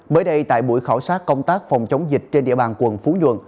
mới đây tại buổi khảo sát công tác phòng chống dịch trên địa bàn quận phú nhuận